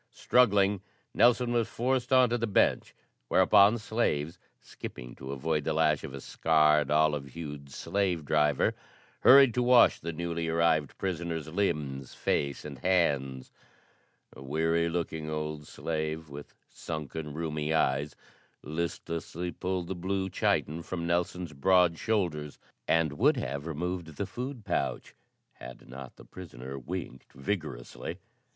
Struggling, Nelson was forced on to the bench, whereupon slaves, skipping to avoid the lash of a scarred, olive hued slave driver, hurried to wash the newly arrived prisoner's limbs, face and hands. A weary looking old slave with sunken, rheumy eyes listlessly pulled the blue chiton from Nelson's broad shoulders, and would have removed the food pouch had not the prisoner winked vigorously.